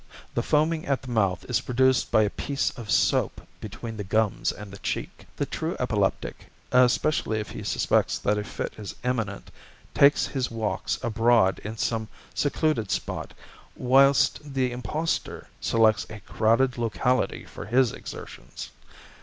The foaming at the mouth is produced by a piece of soap between the gums and the cheek. The true epileptic, especially if he suspects that a fit is imminent, takes his walks abroad in some secluded spot, whilst the impostor selects a crowded locality for his exertions.